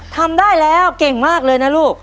ทำได้แล้วเก่งมากเลยนะลูก